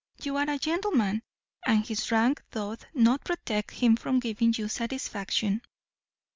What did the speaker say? you are a gentleman, and his rank doth not protect him from giving you satisfaction."